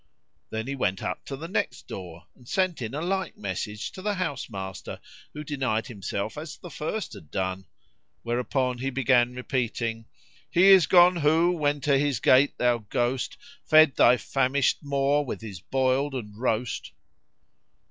Then he went up to the next door and sent in a like message to the house master, who denied himself as the first had done, whereupon he began repeating, "He is gone who when to his gate thou go'st, * Fed thy famisht maw with his boiled and roast."